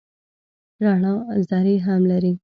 رڼا ذرې هم لري.